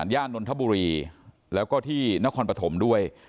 นนทบุรีแล้วก็ที่นครปฐมด้วย